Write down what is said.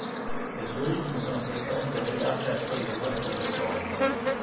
Le sue origini sono strettamente legate a quelle dell'Archivio Storico.